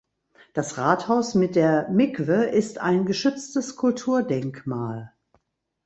Das Rathaus mit der Mikwe ist ein geschütztes Kulturdenkmal.